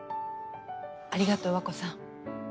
ありがとう和子さん。